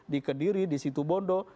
di kediri di situ bondo